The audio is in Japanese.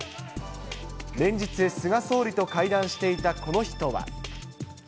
連日、菅総理と会談していたこの人は。